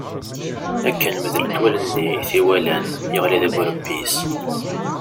Akken medlent wallen-nni i t-iwalan, yeɣli deg urebbi-s.